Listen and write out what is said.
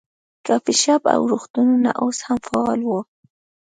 کافې شاپ او روغتونونه اوس هم فعال ول.